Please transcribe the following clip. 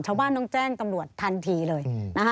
ชาวบ้านต้องแจ้งตำรวจทันทีเลยนะคะ